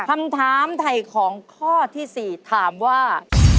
คำถามไถ่ของข้อที่๔ถามว่า